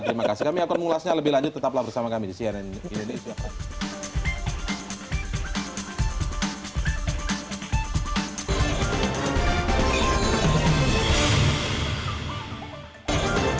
terima kasih kami akan mengulasnya lebih lanjut tetaplah bersama kami di cnn indonesia